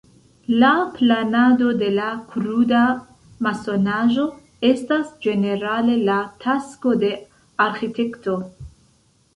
La planado de la kruda masonaĵo estas ĝenerale la tasko de arĥitekto.